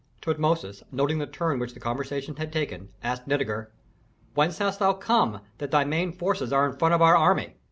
Tutmosis, noting the turn which the conversation had taken, asked Nitager, "Whence hast thou come, that thy main forces are in front of our army?"